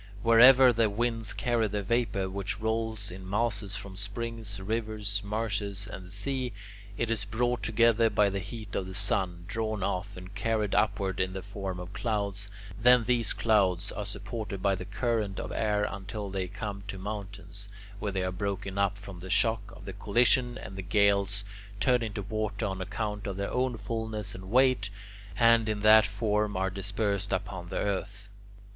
Wherever the winds carry the vapour which rolls in masses from springs, rivers, marshes, and the sea, it is brought together by the heat of the sun, drawn off, and carried upward in the form of clouds; then these clouds are supported by the current of air until they come to mountains, where they are broken up from the shock of the collision and the gales, turn into water on account of their own fulness and weight, and in that form are dispersed upon the earth.